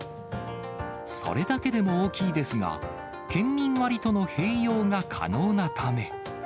それだけでも大きいですが、県民割との併用が可能なため。